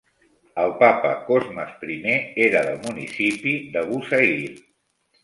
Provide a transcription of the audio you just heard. El Papa Cosmas I era del municipi d'Abu-Sair.